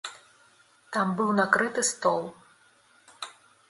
Там быў накрыты стол.